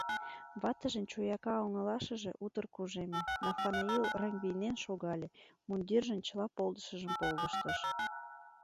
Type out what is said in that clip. Ватыжын чуяка оҥылашыже утыр кужеме; Нафанаил рыҥ вийнен шогале, мундиржын чыла полдышыжым полдыштыш...